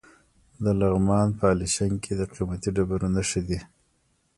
د لغمان په علیشنګ کې د قیمتي ډبرو نښې دي.